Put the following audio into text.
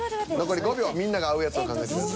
残り５秒みんなが合うやつを考えてください。